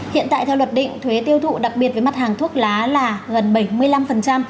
hiện tại theo luật định thuế tiêu thụ đặc biệt với mặt hàng thuốc lá là gần bảy mươi năm